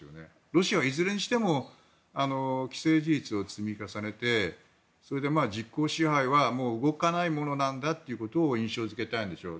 ロシアはいずれにしても既成事実を積み重ねてそれで実効支配はもう動かないものなんだということを印象付けたいんでしょう。